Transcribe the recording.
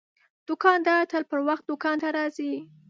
دوکاندار تل پر وخت دوکان ته راځي.